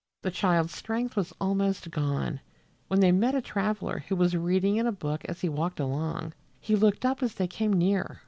The child's strength was almost gone, when they met a traveler who was reading in a book as he walked along. He looked up as they came near.